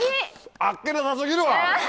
あっけなさ過ぎるわ！